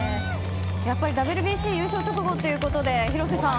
ＷＢＣ優勝直後ということで広瀬さん